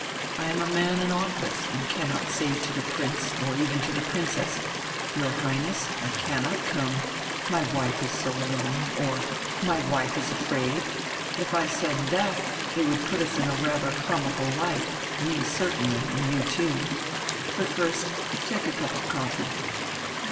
I am a man in office and cannot say to the Prince, or even to the Princess: Your Highness, I cannot come; my wife is so alone, or, my wife is afraid. If I said that it would put us in a rather comical light, me certainly, and you, too. But first take a cup of coffee."